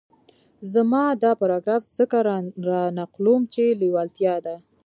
زه دا پاراګراف ځکه را نقلوم چې لېوالتیا ده.